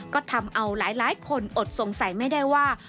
ก็ทำเอาหลายคนอดสงสัยไม่ได้ว่า